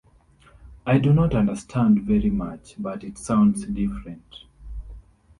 I do not understand very much, but it sounds different.